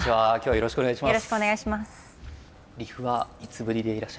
よろしくお願いします。